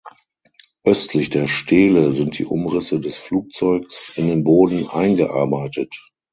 Östlich der Stele sind die Umrisse des Flugzeugs in den Boden eingearbeitet.